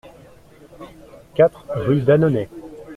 quatre rue d'Annonay